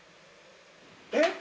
えっ？